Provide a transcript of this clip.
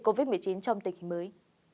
covid một mươi chín trong tỉnh mới